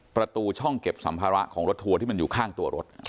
ประตูช่องเก็บสัมภาระของรถทัวร์ที่มันอยู่ข้างตัวรถ